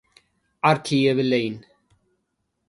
ዓርኪ የብለይን።